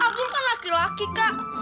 aku kan laki laki kak